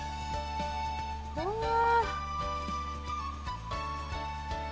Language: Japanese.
うわー。